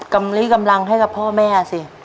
กำลิ่งกำลังข้ากับพ่อแม่สิ